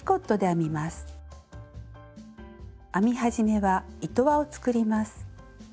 編み始めは糸輪を作ります。